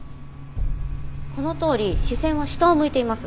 このとおり視線は下を向いています。